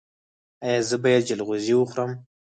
ایا زه باید جلغوزي وخورم؟